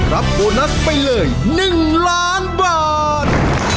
รับโบนัสไปเลย๑ล้านบาท